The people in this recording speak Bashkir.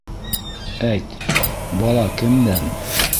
- Әйт: бала кемдән?